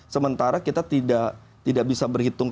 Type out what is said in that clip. sementara kita tidak bisa berhitung